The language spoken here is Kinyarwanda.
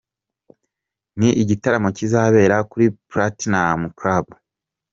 ni igitaramo kizabera kuri Platinum Club.